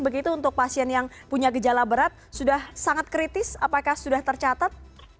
begitu untuk pasien yang punya gejala berat sudah sangat kritis apakah sudah tercatat